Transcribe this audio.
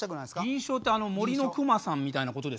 輪唱ってあの「森のくまさん」みたいなことですか？